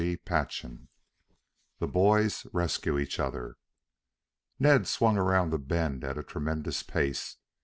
CHAPTER III THE BOYS RESCUE EACH OTHER Ned swung around the bend at a tremendous pace.